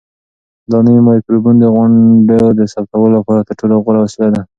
دا نوی مایکروفون د غونډو د ثبتولو لپاره تر ټولو غوره وسیله ده.